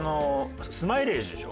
スマイレージでしょ？